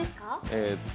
えっと